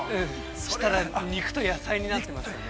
◆そうしたら肉と野菜になってましたね。